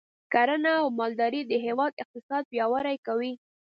کرنه او مالداري د هیواد اقتصاد پیاوړی کوي.